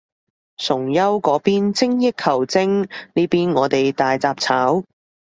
崇優嗰邊精益求精，呢邊我哋大雜炒